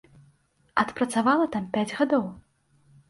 Адпрацавала там пяць гадоў.